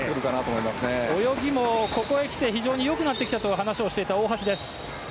泳ぎも、ここへ来て非常に良くなってきたと話した大橋です。